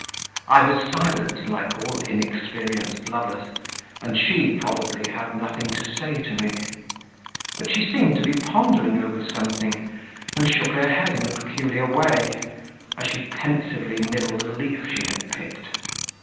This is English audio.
I was silent, like all inexperienced lovers, and she, probably, had nothing to say to me. But she seemed to be pondering over something, and shook her head in a peculiar way, as she pensively nibbled a leaf she had picked.